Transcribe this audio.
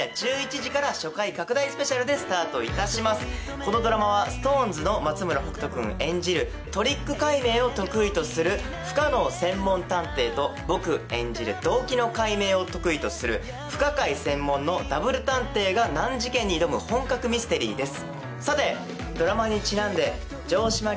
このドラマはＳｉｘＴＯＮＥＳの松村北斗君演じるトリック解明を得意とする不可能専門探偵と僕演じる動機の解明を得意とする不可解専門のダブル探偵が難事件に挑む本格ミステリーです。